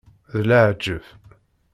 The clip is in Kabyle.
D leɛjeb!